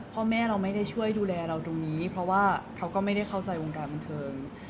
พ่อแม่เราไม่ได้ช่วยดูแลเราตรงนี้เพราะว่าเขาก็ไม่ได้เข้าใจวงการบันเทิง